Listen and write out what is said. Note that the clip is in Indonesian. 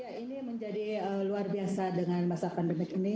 ya ini menjadi luar biasa dengan masa pandemi ini